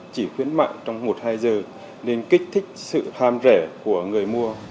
chỉ khuyến mạng trong một hai giờ nên kích thích sự ham rẻ của người mua